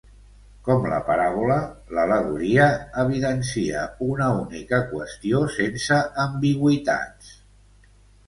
Com la paràbola, l'al·legoria evidencia una única qüestió, sense ambigüitats.